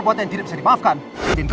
mbak lo dimana mbak sekarang